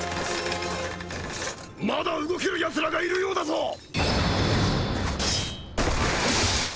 まだ動けるヤツらがいるようだぞ！